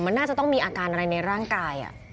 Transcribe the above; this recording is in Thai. มันน่าจะต้องมีอาการอะไรในร่างกาย